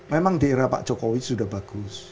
memang di era pak jokowi sudah bagus